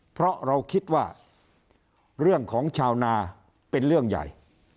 เพราะเราคิดว่าเรื่องของชาวนาเป็นเรื่องใหญ่